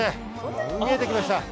見えてきました。